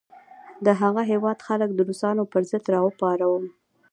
د هغه هیواد خلک د روسانو پر ضد را پاروم.